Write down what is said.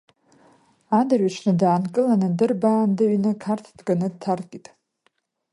Адырҩаҽны даанкыланы дырбаандаҩны Қарҭ дганы дҭаркит.